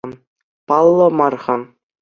Паллӑ мар-ха.